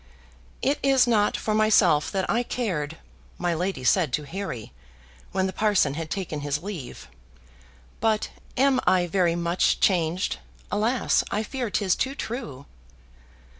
"It is not for myself that I cared," my lady said to Harry, when the parson had taken his leave; "but AM I very much changed? Alas! I fear 'tis too true."